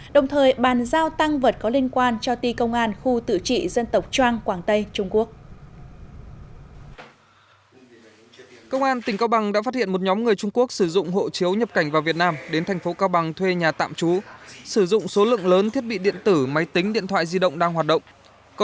đồng thời bàn giao tăng vật có liên quan cho ti công an khu tự trị dân tộc trang quảng tây trung quốc